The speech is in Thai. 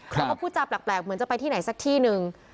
แล้วก็พูดจาแปลกเหมือนจะไปที่ไหนสักที่หนึ่ง